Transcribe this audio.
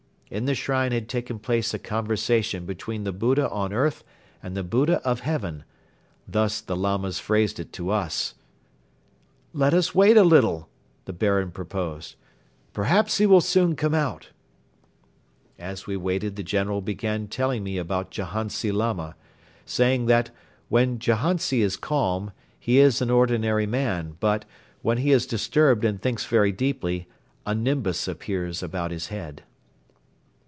In the shrine had taken place a conversation between the Buddha on earth and the Buddha of heaven thus the Lamas phrased it to us. "Let us wait a little," the Baron proposed. "Perhaps he will soon come out." As we waited the General began telling me about Jahantsi Lama, saying that, when Jahantsi is calm, he is an ordinary man but, when he is disturbed and thinks very deeply, a nimbus appears about his head.